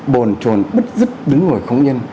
bồn trồn bứt rứt đứng ngồi không nhân